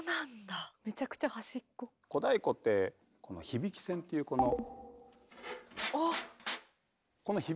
小太鼓ってこの響き線っていうこの。